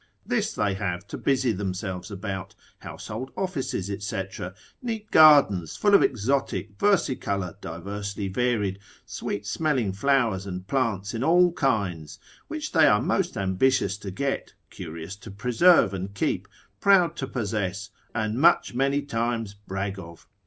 This they have to busy themselves about, household offices, &c., neat gardens, full of exotic, versicolour, diversely varied, sweet smelling flowers, and plants in all kinds, which they are most ambitious to get, curious to preserve and keep, proud to possess, and much many times brag of.